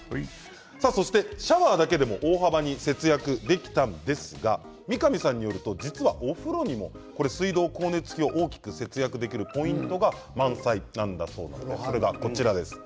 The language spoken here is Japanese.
そしてシャワーだけでも大幅に節約できたんですが三神さんによると実はお風呂にも水道光熱費を大きく節約できるポイントが満載なんだそうです。